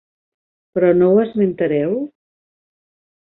Però no ho esmentareu?